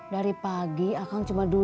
dari pagi akang cuma duduk